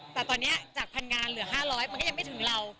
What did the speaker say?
แต่ตอนนี้จากพันงานเหลือ๕๐๐มันก็ยังไม่ถึงเรา